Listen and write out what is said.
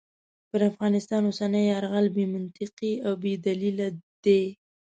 پر افغانستان اوسنی یرغل بې منطقې او بې دلیله دی.